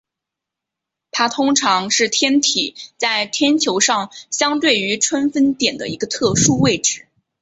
它通常是天体在天球上相对于春分点的一个特殊位置。